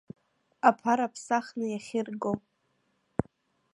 Аԥара ԥсахны иахьырго.